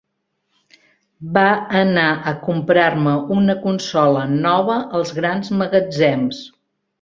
Va anar a comprar-me una consola nova als grans magatzems.